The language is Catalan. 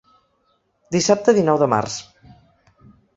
Dissabte dinou de març.